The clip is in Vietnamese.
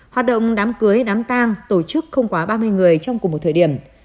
hoạt động đám cưới đám tang tổ chức không quá ba mươi người trong cùng một thời điểm